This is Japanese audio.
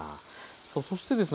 さあそしてですね